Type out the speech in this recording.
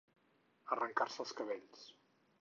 Arrencar-se els cabells.